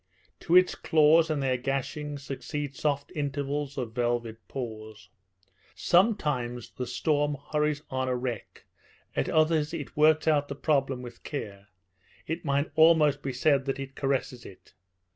To its claws and their gashings succeed soft intervals of velvet paws. Sometimes the storm hurries on a wreck, at others it works out the problem with care; it might almost be said that it caresses it.